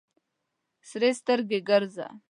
سرې سترګې ګرځه.